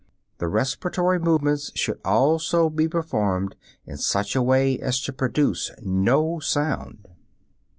The respiratory movements should also be performed in such a way as to produce no sound.